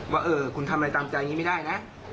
ว่าเออคุณทำอะไรตามใจนี้ไม่ได้นะ